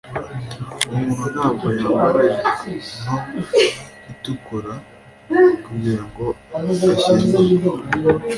Umuntu ntabwo yambara ijipo nto itukura kugirango ashyingurwe